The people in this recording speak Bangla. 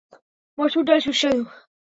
মসুর ডাল সুস্বাদু।